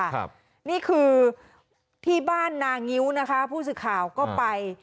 ครับนี่คือที่บ้านนางิ้วนะคะผู้สื่อข่าวก็ไป